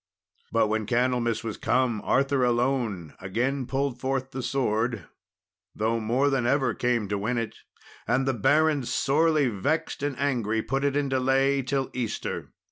But when Candlemas was come, Arthur alone again pulled forth the sword, though more than ever came to win it; and the barons, sorely vexed and angry, put it in delay till Easter.